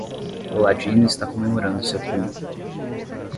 O ladino está comemorando seu triunfo.